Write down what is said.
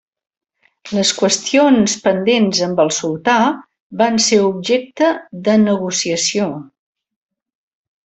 Les qüestions pendents amb el sultà van ser objecte de negociació.